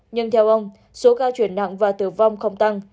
nhưng theo ông số ca chuyển nặng và tử vong không tăng